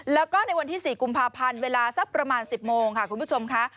แล้วก็ในวันที่๔กุมภาพันธ์เวลาสักประมาณ๑๐โมงค่ะคุณผู้ชมค่ะ